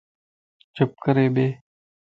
چپ ڪري ٻي